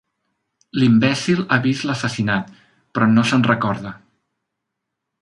L'imbècil ha vist l'assassinat, però no se'n recorda.